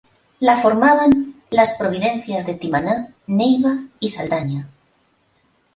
La formaban las providencias de Timaná, Neiva y Saldaña.